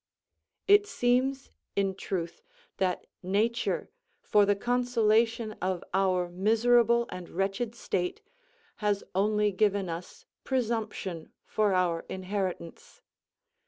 It seems, in truth, that nature, for the consolation of our miserable and wretched state, has only given us presumption for our inheritance.